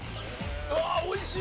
うわーおいしい！